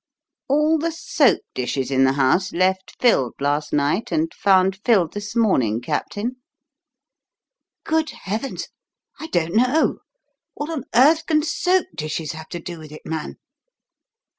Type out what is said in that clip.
All the soap dishes in the house left filled last night and found filled this morning, captain?" "Good heavens! I don't know. What on earth can soap dishes have to do with it, man?"